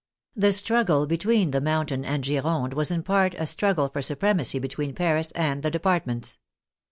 The struggle between the Mountain and Gironde was in part a struggle for supremacy between Paris and the departments.